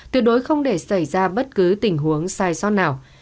tuyệt đối không để xảy ra bất cứ tình huống sai sót nào